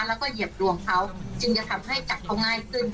แล้วก็เหยียบดวงเขาจึงจะทำให้จับเขาง่ายขึ้น